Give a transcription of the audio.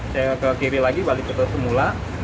saya ke kiri lagi balik ke semula